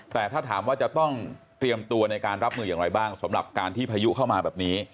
แต่ถ้าถามว่าจะต้องเตรียมตัวในการรับมืออย่างไรบ้างสำหรับการที่พายุเข้ามาแบบนี้